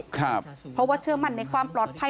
เพราะว่าเชื่อมั่นในความปลอดภัย